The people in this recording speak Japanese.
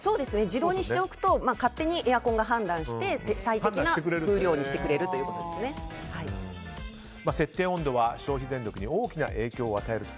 自動にしておくと勝手にエアコンが判断して設定温度は消費電力に大きな影響を与えると。